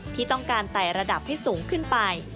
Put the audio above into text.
ที่ต้องการไต่ระดับให้สูงขึ้นไป